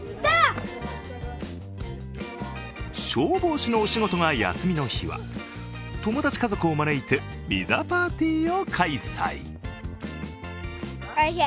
消防士のお仕事が休みの日は友達家族を招いてピザパーティーを開催。